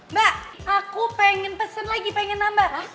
mbak aku pengen pesen lagi pengen nambah